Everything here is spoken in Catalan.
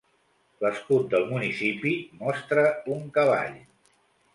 L'escut del municipi mostra un cavall.